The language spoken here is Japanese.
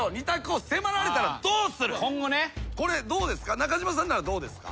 中島さんならどうですか？